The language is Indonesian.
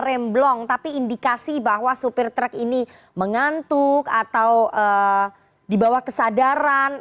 remblong tapi indikasi bahwa supir truk ini mengantuk atau dibawah kesadaran